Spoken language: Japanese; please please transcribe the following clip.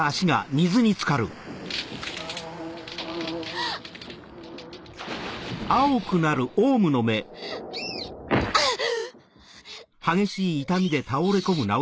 ああっ‼あっ！